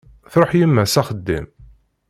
Truḥ yemma s axeddim.